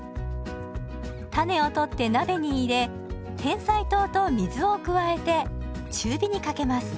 種を取って鍋に入れてんさい糖と水を加えて中火にかけます。